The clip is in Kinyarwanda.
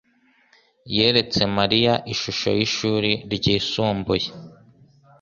yeretse Mariya ishusho yishuri ryisumbuye.